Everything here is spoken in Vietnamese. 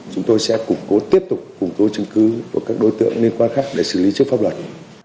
chúng tôi sẽ củng cố tiếp tục củng cố chứng cứ và các đối tượng liên quan khác để xử lý trước pháp luật